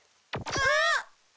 あっ！